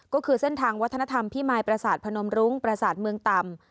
ก็คือเส้นทางวัฒนธรรมพิมายประสาทพนมรุ้งประสาทเมืองต่ำ